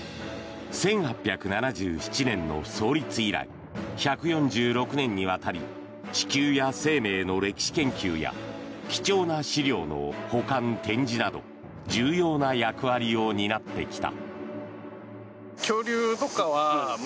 １８７７年の創立以来１４６年にわたり地球や生命の歴史研究や貴重な資料の保管・展示など重要な役割を担ってきた。